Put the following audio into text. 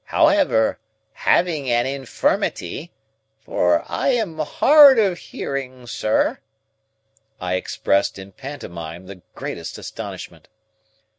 However, having an infirmity—for I am hard of hearing, sir—" I expressed in pantomime the greatest astonishment.